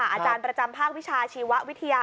อาจารย์ประจำภาควิชาชีววิทยา